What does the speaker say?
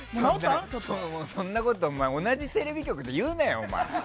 そんなこと同じテレビ局で言うなよ。